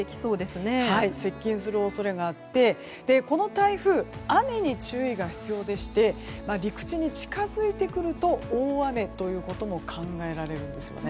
接近する恐れがあってこの台風、雨に注意が必要でして陸地に近づいてくると大雨ということも考えられるんですよね。